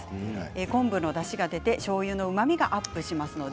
昆布のだしが出て、しょうゆのうまみがアップしますので